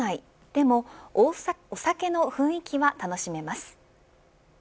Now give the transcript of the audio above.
でもお酒の雰囲気は楽しめます。